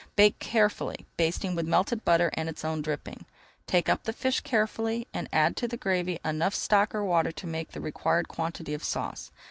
Bake carefully, basting with melted butter and its own dripping. Take up the fish carefully and add to the gravy enough stock or water to make the required quantity of sauce.